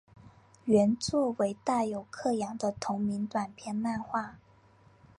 原作为大友克洋的同名短篇漫画。